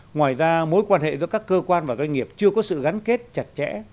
ngoài ra mối quan hệ giữa các cơ quan và doanh nghiệp chưa có sự gắn kết chặt chẽ